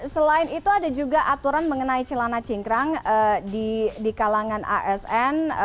selain itu ada juga aturan mengenai celana cingkrang di kalangan asn